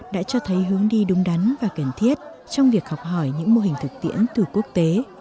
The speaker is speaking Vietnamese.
đã cho thấy hướng đi đúng đắn và cần thiết trong việc học hỏi những mô hình thực tiễn từ quốc tế